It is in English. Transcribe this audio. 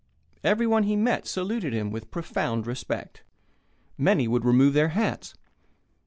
Everyone he met saluted him with profound respect. Many would remove their hats.